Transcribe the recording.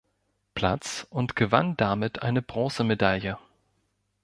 Platz und gewann damit eine Bronzemedaille.